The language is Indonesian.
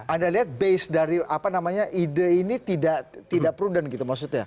anda lihat base dari apa namanya ide ini tidak prudent gitu maksudnya